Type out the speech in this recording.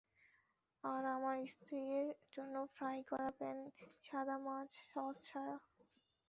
আর আমার স্ত্রীয়ের জন্য ফ্রাই করা প্লেন সাদা মাছ, সস ছাড়া।